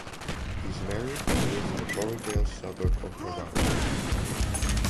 He is married and lives in the Borrowdale suburb of Harare.